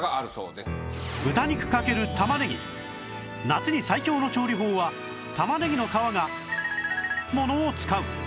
豚肉×玉ねぎ夏に最強の調理法は玉ねぎの皮がものを使う！